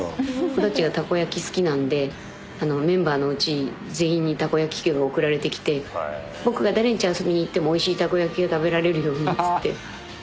尾田っちがたこ焼き好きなんでメンバーのうち全員にたこ焼き器が送られてきて「僕が誰んち遊びに行ってもおいしいたこ焼きが食べられるように」っつって。